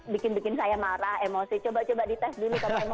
bikin bikin saya marah emosi coba coba dites dulu kalau emosi kalau kayak gini gitu